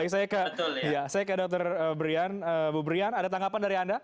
saya ke dokter bu brian ada tanggapan dari anda